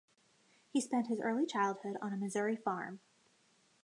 He spent his early childhood on a Missouri farm.